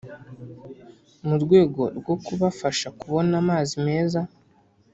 mu rwego rwo kubafasha kubona amazi meza